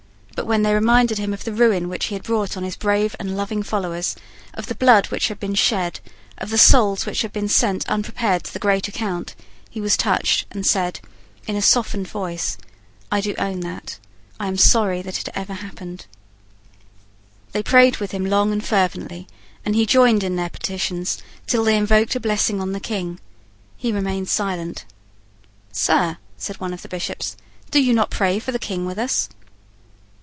But when they reminded him of the ruin which he had brought on his brave and loving followers, of the blood which had been shed, of the souls which had been sent unprepared to the great account, he was touched, and said, in a softened voice, "I do own that. I am sorry that it ever happened." They prayed with him long and fervently; and he joined in their petitions till they invoked a blessing on the King. He remained silent. "Sir," said one of the Bishops, "do you not pray for the King with us?"